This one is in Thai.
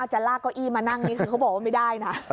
อาจจะลาก้อยี่มานั่งคือเขาบอกว่าไม่ได้นะ